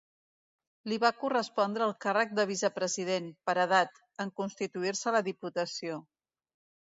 Li va correspondre el càrrec de vicepresident, per edat, en constituir-se la Diputació.